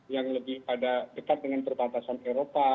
yang lebih pada dekat dengan perbatasan eropa